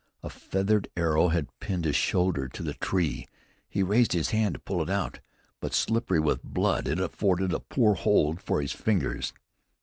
A feathered arrow had pinned his shoulder to the tree. He raised his hand to pull it out; but, slippery with blood, it afforded a poor hold for his fingers.